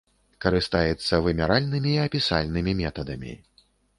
Карыстаецца вымяральнымі і апісальнымі метадамі.